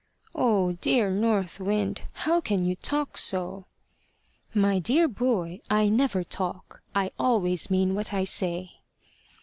"Oh, dear North Wind! how can you talk so?" "My dear boy, I never talk; I always mean what I say."